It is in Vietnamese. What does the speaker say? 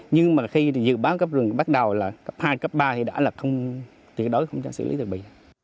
nhưng mà khi dự báo cấp rừng bắt đầu là cấp hai cấp ba thì đã là không tuyệt đối không cho xử lý được bị